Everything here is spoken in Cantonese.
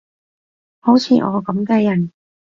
好似我噉嘅人